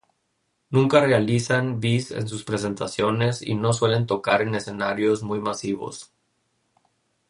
Nunca realizan bis en sus presentaciones y no suelen tocar en escenarios muy masivos.